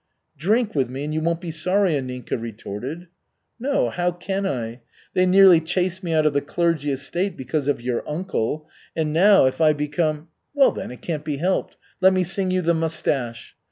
"Drink with me and you won't be sorry," Anninka retorted. "No, how can I? They nearly chased me out of the clergy estate because of your uncle, and now if I become " "Well, then it can't be helped. Let me sing you _The Mustache.